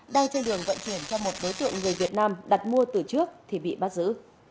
đang trên đường vận chuyển cho một đối tượng người việt nam đặt mua từ trước thì bị bắt giữ